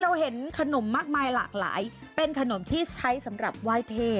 เห็นขนมมากมายหลากหลายเป็นขนมที่ใช้สำหรับไหว้เท่